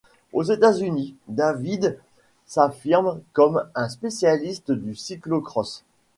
Aux États-Unis, Davide s'affirme comme un spécialiste du cyclo-cross.